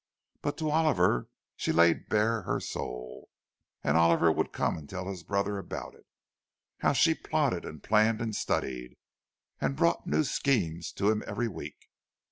But to Oliver she laid bare her soul, and Oliver would come and tell his brother about it: how she plotted and planned and studied, and brought new schemes to him every week.